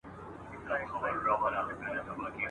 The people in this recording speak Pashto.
حساب ښه دی پر قوت د دښمنانو !.